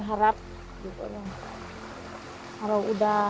harapan itu kembali ada